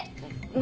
何？